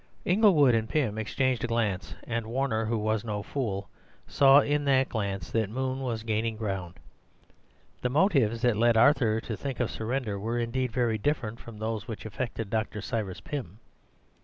Inglewood and Pym exchanged a glance; and Warner, who was no fool, saw in that glance that Moon was gaining ground. The motives that led Arthur to think of surrender were indeed very different from those which affected Dr. Cyrus Pym.